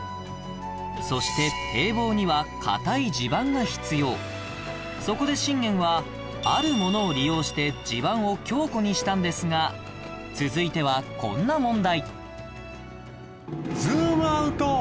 そしてそこで信玄はあるものを利用して地盤を強固にしたんですが続いてはこんな問題